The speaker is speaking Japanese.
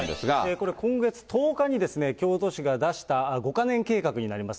これ、今月１０日に京都市が出した５か年計画になります。